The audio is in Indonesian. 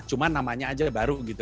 cuma namanya aja baru gitu